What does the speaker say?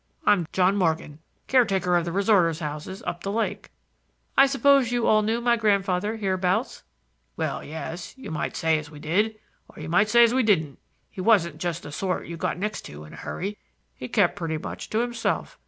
I'm John Morgan, caretaker of the resorters' houses up the lake." "I suppose you all knew my grandfather hereabouts." "Well, yes; you might say as we did, or you might say as we didn't. He wasn't just the sort that you got next to in a hurry. He kept pretty much to himself.